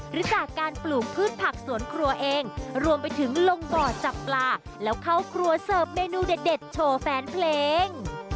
หรือจากการปลูกพืชผักสวนครัวเองรวมไปถึงลงบ่อจับปลาแล้วเข้าครัวเสิร์ฟเมนูเด็ดโชว์แฟนเพลง